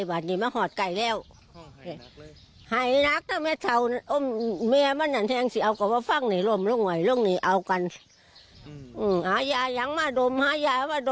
หลานยายร้องไห้ทุกวันเลยบ้าเม้ย